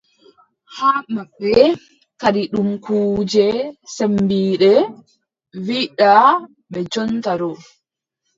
Haa maɓɓe kadi ɗum kuuje sembinnde wiʼɗaa ɓe jonta ɗo.